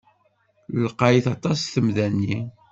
Lqayet aṭas temda-nni.